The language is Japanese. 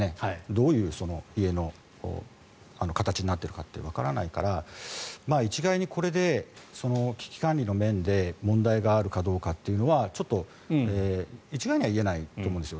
どういう家の形になってるかってわからないから一概にこれで危機管理の面で問題があるかどうかってのはちょっと一概には言えないと思うんです。